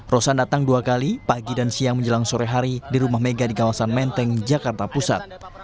rosan datang dua kali pagi dan siang menjelang sore hari di rumah mega di kawasan menteng jakarta pusat